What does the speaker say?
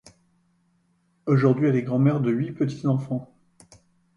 Aujourd'hui, elle est grand-mère de huit petits-enfants.